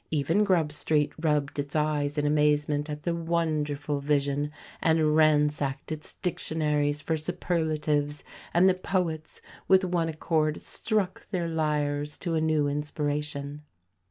Even Grub Street rubbed its eyes in amazement at the wonderful vision, and ransacked its dictionaries for superlatives; and the poets, with one accord, struck their lyres to a new inspiration.